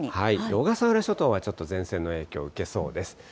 小笠原諸島はちょっと前線の影響を受けそうです。